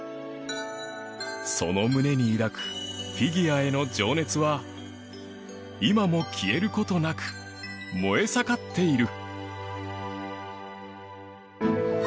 その胸に抱くフィギュアへの情熱は今も消える事なく燃え盛っている